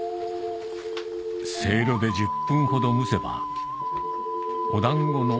せいろで１０分ほど蒸せばお団子の